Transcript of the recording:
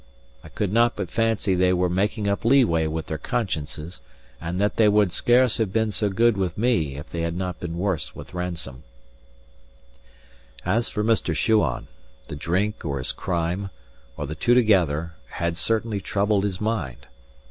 I could not but fancy they were making up lee way with their consciences, and that they would scarce have been so good with me if they had not been worse with Ransome. As for Mr. Shuan, the drink or his crime, or the two together, had certainly troubled his mind.